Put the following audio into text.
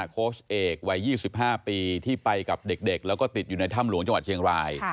โค้ชเอกวัย๒๕ปีที่ไปกับเด็กแล้วก็ติดอยู่ในถ้ำหลวงจังหวัดเชียงราย